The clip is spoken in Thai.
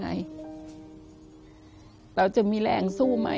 ทำงานชื่อนางหยาดฝนภูมิสุขอายุ๕๔ปี